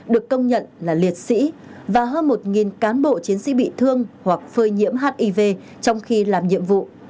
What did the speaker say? được công nhận là liệt sĩ và hơn một cán bộ chiến sĩ bị thương hoặc phơi nhiễm hiv trong khi làm nhiệm vụ